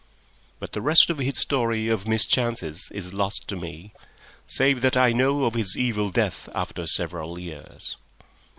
But the rest of his story of mischances is lost to me, save that I know of his evil death after several years.